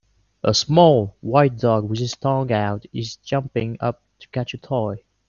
A small, white dog with his tongue out is jumping up to catch a toy.